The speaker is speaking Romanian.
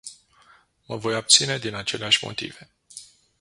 Mă voi abține din aceleași motive.